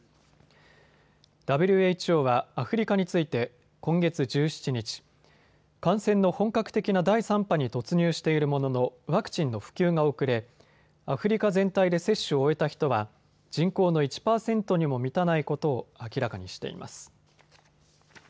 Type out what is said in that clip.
ＷＨＯはアフリカについて今月１７日、感染の本格的な第３波に突入しているもののワクチンの普及が遅れアフリカ全体で接種を終えた人は人口の１％にも満たないことを明らかにしています。